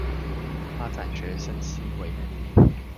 發展學生思維能力